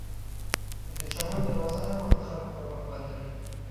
د چمن دروازه هر وخت د خلکو پر مخ بنده وي.